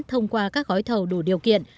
thông qua các gói thầu đủ điều kiện